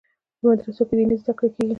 په مدرسو کې دیني زده کړې کیږي.